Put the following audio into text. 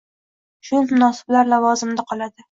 Shu munosiblar lavozimida qoladi.